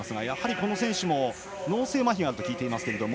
この選手も脳性まひがあると聞いています。